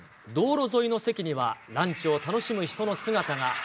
道路沿いの席には、ランチを楽しむ人の姿が。